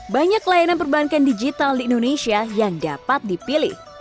banyak layanan perbankan digital di indonesia yang dapat dipilih